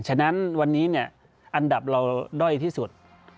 ฉะนั้นวันนี้เนี่ยอันดับเราด้อยที่สุด